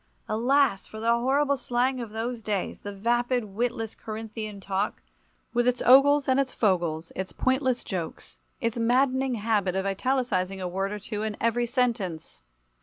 Alas! for the horrible slang of those days, the vapid witless Corinthian talk, with its ogles and its fogles, its pointless jokes, its maddening habit of italicizing a word or two in every sentence.